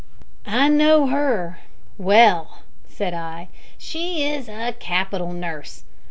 "I know her well," said I; "she is a capital nurse.